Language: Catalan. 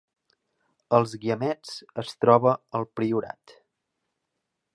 Els Guiamets es troba al Priorat